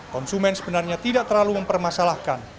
konsumen sebenarnya tidak terlalu mempermasalahkan